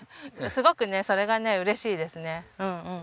すごくねそれがね嬉しいですね。